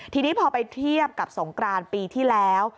ทีนี้พอไปเทียบกับสงกรานปีที่แล้ว